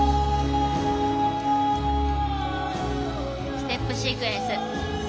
ステップシークエンス。